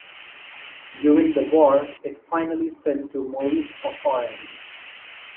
During the war it finally fell to Maurice of Orange.